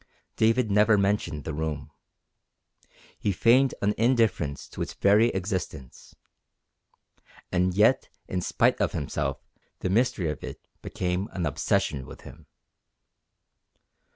David never mentioned the room. He feigned an indifference to its very existence. And yet in spite of himself the mystery of it became an obsession with him.